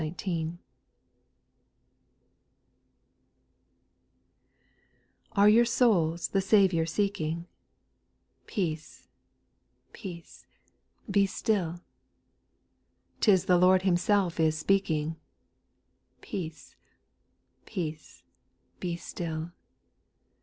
■A RE your souls the Saviour seeking f Peace, peace, be still ;— T' is the Lord Himself is speaking, Peace, peace, be still.